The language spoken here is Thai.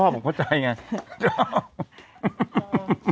ผมเข้าใจอย่างนั้น